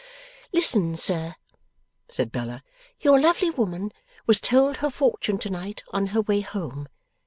'Listen, sir,' said Bella. 'Your lovely woman was told her fortune to night on her way home.